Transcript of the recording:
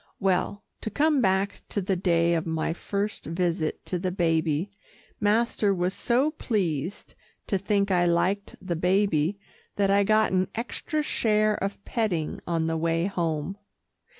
Well to come back to the day of my first visit to the baby. Master was so pleased to think I liked the baby, that I got an extra share of petting on the way home.